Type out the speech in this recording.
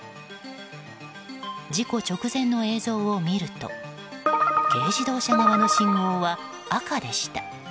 事故直前の映像を見ると軽自動車側の信号は赤でした。